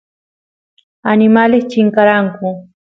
animales chinkaranku